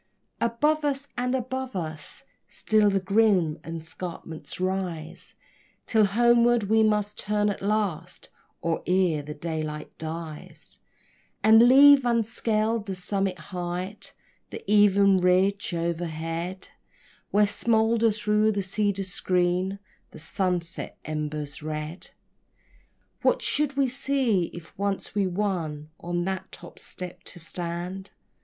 Above us and above us still the grim escarpments rise, Till homeward we must turn at last, or ere the daylight dies, And leave unscaled the summit height, the even ridge o'erhead, Where smolder through the cedar screen the sunset embers red. What should we see, if once we won on that top step to stand?